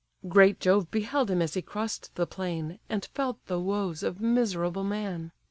Great Jove beheld him as he cross'd the plain, And felt the woes of miserable man.